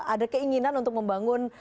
ada keinginan untuk membangun